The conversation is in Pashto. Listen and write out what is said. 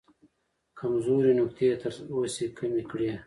کمزورې نقطې یې تر وسې کمې کړې.